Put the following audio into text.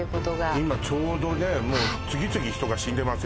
今ちょうどねもう次々人が死んでますよ